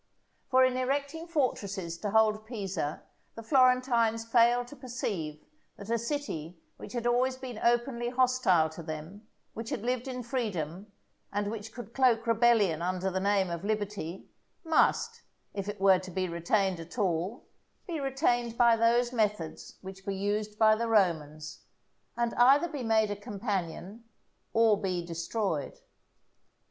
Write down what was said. For in erecting fortresses to hold Pisa, the Florentines failed to perceive that a city which had always been openly hostile to them, which had lived in freedom, and which could cloak rebellion under the name of liberty, must, if it were to be retained at all, be retained by those methods which were used by the Romans, and either be made a companion or be destroyed.